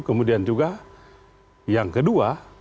kemudian juga yang kedua